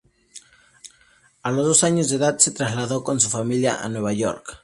A los dos años de edad, se trasladó con su familia a Nueva York.